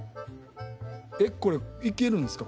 えっこれ行けるんですか？